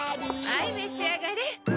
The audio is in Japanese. はい召し上がれ。